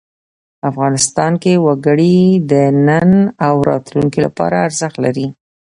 افغانستان کې وګړي د نن او راتلونکي لپاره ارزښت لري.